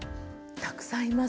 たくさんいます。